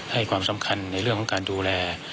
ให้ความสำคัญในเรื่องของการดูแล